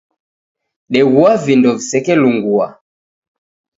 Deghua vindo visekelungua